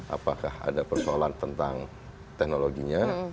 apakah ada persoalan tentang teknologinya